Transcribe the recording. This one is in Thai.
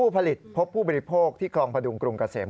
ผลิตพบผู้บริโภคที่คลองพดุงกรุงเกษม